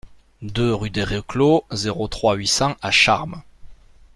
deux rue des Reclos, zéro trois, huit cents à Charmes